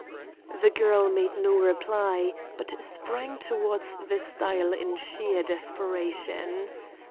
The girl made no reply, but sprang towards the stile in sheer desperation.